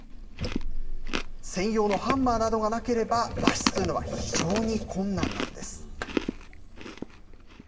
専用のハンマーなどがなければ、脱出するのは非常に困難なんです。